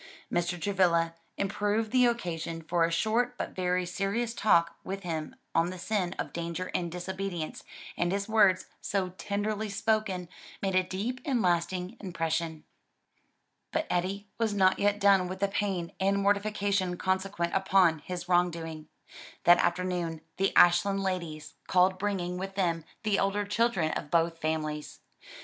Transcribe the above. Mr. Travilla improved the occasion for a short but very serious talk with him on the sin and danger of disobedience, and his words, so tenderly spoken, made a deep and lasting impression. But Eddie was not yet done with the pain and mortification consequent upon his wrong doing. That afternoon the Ashland ladies called bringing with them the elder children of both families.